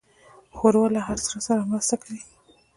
ښوروا له هر زړه سره مرسته کوي.